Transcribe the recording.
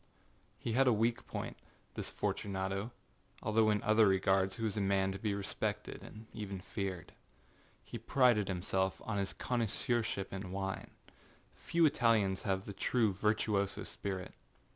He had a weak pointâthis Fortunatoâalthough in other regards he was a man to be respected and even feared. He prided himself on his connoisseurship in wine. Few Italians have the true virtuoso spirit.